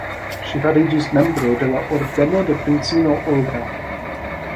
Ŝi fariĝis membro de la Ordeno de Princino Olga.